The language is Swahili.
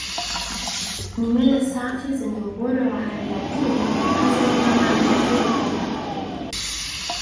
Ni nywele safi zenye ubora wa hali ya juu hazifungamani zipo katika mawimbi